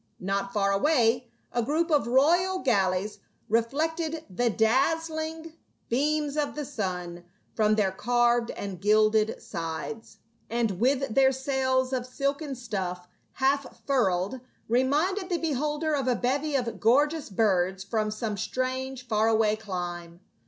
Not far away, a group of royal galleys reflected the dazzling 36 PA UL. beams of the sun from their carved and gilded sides, and with their sails of silken stuff half furled reminded the beholder of a bevy of gorgeous birds from some strange far away clime.